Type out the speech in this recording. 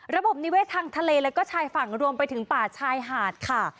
ระบบนิเวศทางทะเลแล้วก็ชายฝั่งรวมไปถึงป่าชายหาดค่ะ